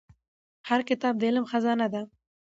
هر کتاب د علم خزانه ده.